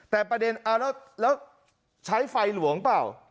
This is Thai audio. แต่ประเด็นเอาแล้วใช้ไฟหลวงเปล่า